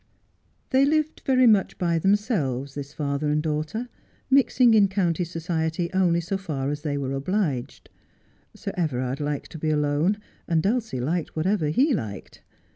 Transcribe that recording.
They lived very much by themselves, this father and daughter, mixing in county society only so far as they were obliged. Sir Kverard liked to be alone, and Dulcie liked whatever he liked.